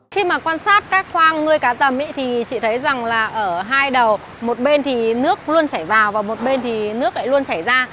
khi mà quan sát các khoang nuôi cá tầm thì chị thấy rằng là ở hai đầu một bên thì nước luôn chảy vào và một bên thì nước lại luôn chảy ra